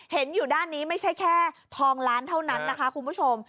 เห็นอยู่ด้านนี้ไม่ใช่แค่ทองล้านเท่านั้นนะคะคุณผู้ชม